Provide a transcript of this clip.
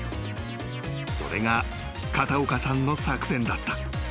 ［それが片岡さんの作戦だった］